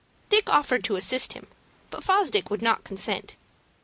Dick offered to assist him, but Fosdick would not consent.